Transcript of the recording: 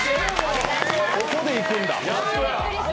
ここでいくんだ。